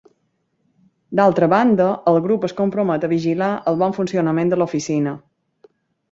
D'altra banda el Grup es compromet a vigilar el bon funcionament de l'Oficina.